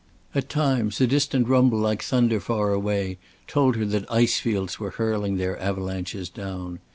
At times a distant rumble like thunder far away told that the ice fields were hurling their avalanches down.